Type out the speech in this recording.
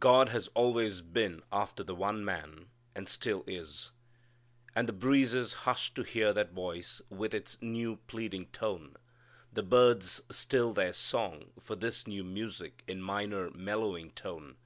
God has always been after the one man, and still is. And the breezes hushed to hear that voice with its new pleading tone. The birds stilled their song for this new music in minor mellowing tone.